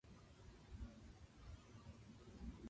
全ての人が幸せに、平和に暮らせますように。